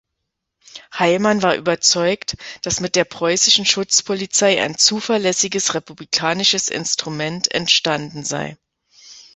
Heilmann war überzeugt, dass mit der preußischen Schutzpolizei ein „zuverlässiges republikanisches Instrument“ entstanden sei.